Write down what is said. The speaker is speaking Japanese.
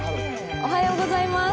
おはようございます。